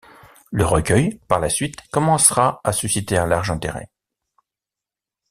Le recueil, par la suite, commencera à susciter un large intérêt.